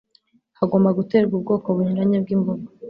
hagomba guterwa ubwoko bunyuranye bw'imboga